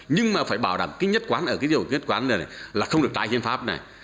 nhưng mà phải bảo đảm cái nhất quán ở cái điều nhất quán này là không được tái hiến pháp này